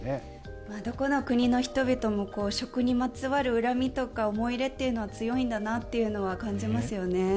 どこの国の人々も食にまつわる恨みとか思い入れというのは強いんだなというのは感じますよね。